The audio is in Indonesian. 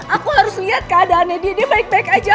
aku harus liat keadaannya dia dia baik baik aja